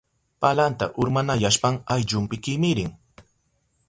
Palanta urmanayashpan ayllunpi kimirin.